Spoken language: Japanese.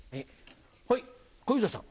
はい小遊三さん。